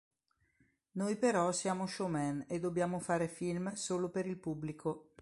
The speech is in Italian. Noi però siamo show-man e dobbiamo fare film solo per il pubblico.